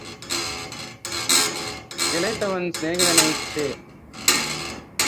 இளைத்தவன் சிநேகிதனைச் சேர்.